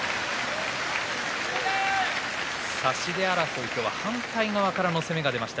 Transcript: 差し手争いでは反対側からの攻めがありました。